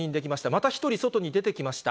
また１人、外に出てきました。